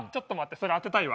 それ当てたいわ。